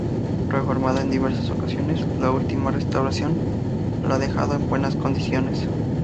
Reformada en diversas ocasiones, la última restauración la ha dejado en muy buenas condiciones.